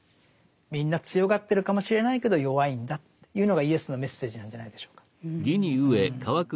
みんな強がってるかもしれないけど弱いんだというのがイエスのメッセージなんじゃないでしょうか。